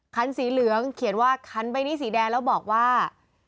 คันสีเหลืองเขียนว่าขันใบนี้สีแดงแล้วบอกว่า